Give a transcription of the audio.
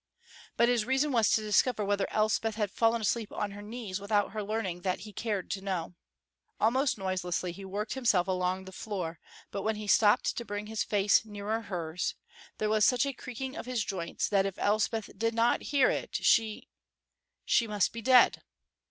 But his reason was to discover whether Elspeth had fallen asleep on her knees without her learning that he cared to know. Almost noiselessly he worked himself along the floor, but when he stopped to bring his face nearer hers, there was such a creaking of his joints that if Elspeth did not hear it she she must be dead!